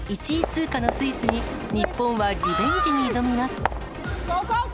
１位通過のスイスに、日本はリベンジに挑みます。